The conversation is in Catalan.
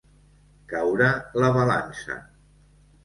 Caure la balança.